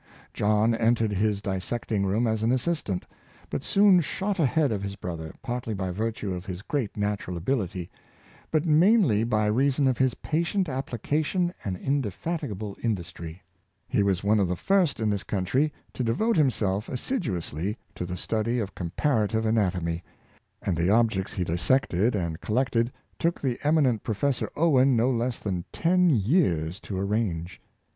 John entered his dissecting room as an assistant, but soon shot ahead of his broth er, partly by virtue of his great natural ability, but mainly by reason of his patient application and indefat igable industry He was one of the first in this coun try to devote himself assiduously to the study of com parative anatomy, and the objects he dissected and col lected took the eminent Professor Ov/en no less than ten years to arrange.